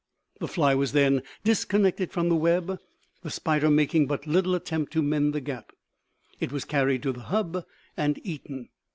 The fly was then disconnected from the web, the spider making but little attempt to mend the gap. It was carried to the hub and eaten.